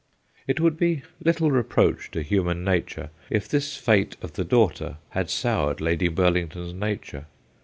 It would be little reproach to human nature if this fate of her daughter had soured Lady Burlington's nature.